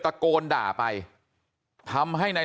บอกแล้วบอกแล้วบอกแล้ว